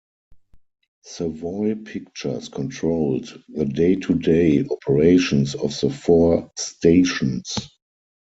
Savoy Pictures controlled the day-to-day operations of the four stations.